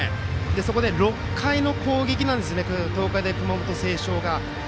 そこで６回の攻撃ですよね東海大熊本星翔が。